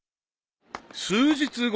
［数日後］